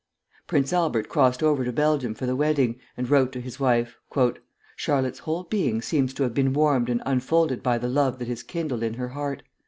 Prince Albert crossed over to Belgium for the wedding, and wrote to his wife: "Charlotte's whole being seems to have been warmed and unfolded by the love that is kindled in her heart.